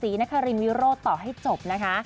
ที่มหาวิทยาลัยศรีนคริมวิโรต่อให้จบนะคะ